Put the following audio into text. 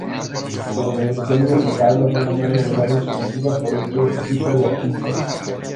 La organización del retablo fue una gran novedad introducida por este equipo de artistas.